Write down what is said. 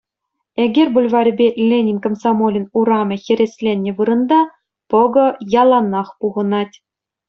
Эгер бульварӗпе Ленин Комсомолӗн урамӗ хӗресленнӗ вырӑнта пӑкӑ яланах пухӑнать.